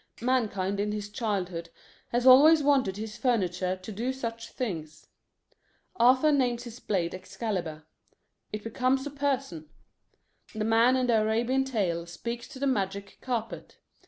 Mankind in his childhood has always wanted his furniture to do such things. Arthur names his blade Excalibur. It becomes a person. The man in the Arabian tale speaks to the magic carpet.